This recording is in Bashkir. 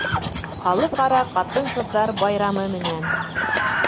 Халыҡ-ара ҡатын-ҡыҙҙар байрамы менән!